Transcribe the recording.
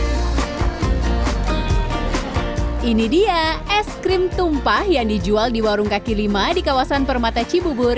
hai ini dia es krim tumpah yang dijual di warung kaki lima di kawasan permata cibubur